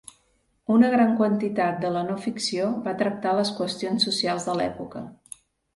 Una gran quantitat de la no-ficció va tractar les qüestions socials de l'època.